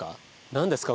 何ですか？